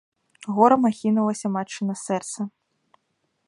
Горам ахінулася матчына сэрца.